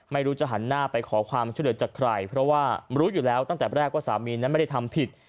ไม่รู้จะหันหน้าไปขอความช่วยเหลือจากใครเพราะว่ารู้อยู่แล้วตั้งแต่แรกว่าสามีนั้นไม่ได้ทำผิด